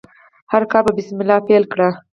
هر کار په بسم الله پیل کړئ.